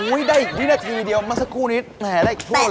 อุ๊ยได้อีกนิดนาทีเดียวมาสักครู่นี้แห่ได้อีกทั่วเลยนะ